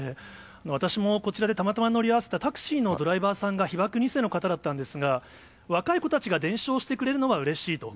私もこちらでたまたま乗り合わせたタクシーのドライバーさんが被爆２世の方だったんですが、若い子たちが伝承してくれるのはうれしいと。